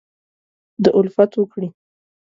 دالفت وکړي